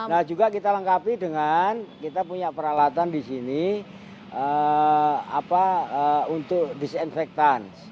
nah juga kita lengkapi dengan kita punya peralatan di sini untuk disinfektan